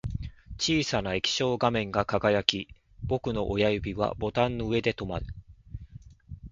小さな液晶画面が輝き、僕の親指はボタンの上で止まる